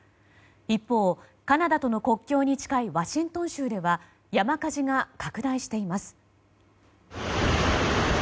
一方、カナダとの国境に近いワシントン州では山火事が拡大しています。